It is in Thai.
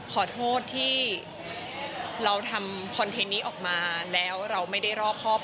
ขอโทษที่เราทำคอนเทนต์นี้ออกมาแล้วเราไม่ได้รอบครอบ